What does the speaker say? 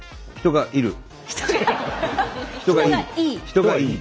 人がいい。